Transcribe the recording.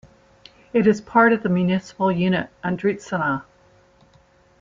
It is part of the municipal unit Andritsaina.